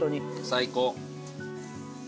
最高。